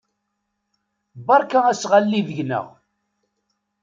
Berka asɣalli deg-neɣ.